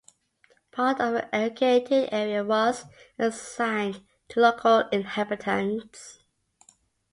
Part of the irrigated area was assigned to local inhabitants.